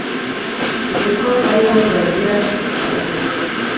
Nzi ko ari wowe bazira abakeba